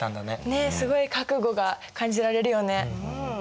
ねっすごい覚悟が感じられるよね。